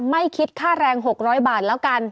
ไม่คิดค่าแรง๖๐๐บาทแล้วกัน